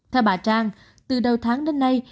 theo bà trang từ đầu tháng đến nay